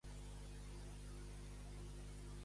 A Williams l'afligeix el que està passant?